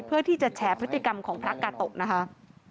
เพื่อที่จะแฉพฤติกรรมของพระกาโตะนะคะ